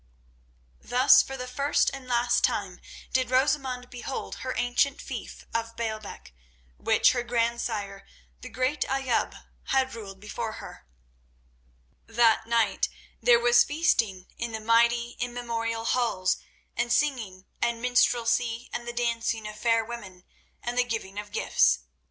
Thus for the first and last time did Rosamund behold her ancient fief of Baalbec, which her grandsire, the great Ayoub, had ruled before her. That night there was feasting in the mighty, immemorial halls, and singing and minstrelsy and the dancing of fair women and the giving of gifts.